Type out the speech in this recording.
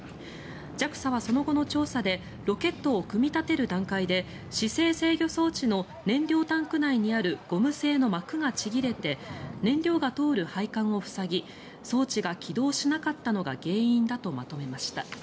ＪＡＸＡは、その後の調査でロケットを組み立てる段階で姿勢制御装置の燃料タンク内にあるゴム製の膜がちぎれて燃料が通る配管を塞ぎ装置が起動しなかったのが原因だとまとめました。